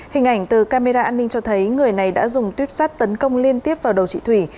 hình ảnh từ camera an ninh cho thấy người này đã dùng tuyếp sát tấn công liên tiếp vào đầu chị thủy